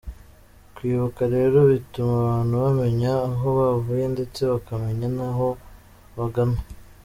Kwibuka rero bituma abantu bamenya aho bavuye ndetse bakamenya n’aho bagana.